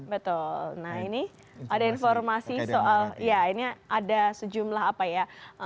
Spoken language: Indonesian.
betul nah ini ada informasi soal ya ini ada sejumlah apa ya